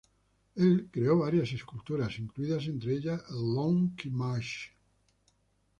Él creó varias esculturas, incluida entre ellas, "L'Homme qui marche I".